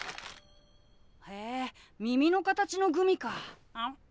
へえ耳の形のグミか。